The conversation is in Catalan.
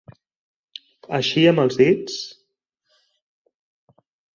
Així amb els dits...